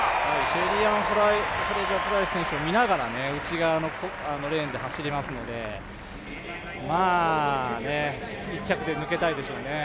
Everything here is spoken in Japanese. シェリーアン・フレイザー・プライス選手を見ながら内側のレーンで走りますので１着で抜けたいでしょうね。